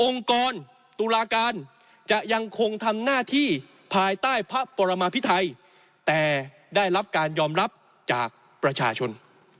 กรตุลาการจะยังคงทำหน้าที่ภายใต้พระปรมาพิไทยแต่ได้รับการยอมรับจากประชาชน